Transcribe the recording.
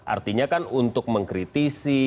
artinya kan untuk mengkritisi